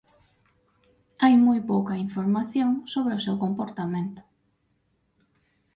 Hai moi pouca información sobre o seu comportamento.